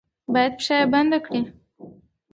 با ید پښه یې بنده کړي.